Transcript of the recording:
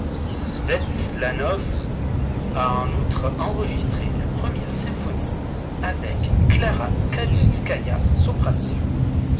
Svetlanov a en outre enregistré la première symphonie, avec Klara Kadinskaya, soprano.